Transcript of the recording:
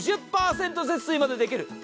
節水までできる。